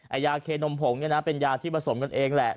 ไอ้ยาเคนมผงเป็นยาที่ผสมกันเองแหละ